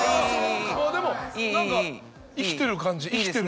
でも何か生きてる感じ生きてる。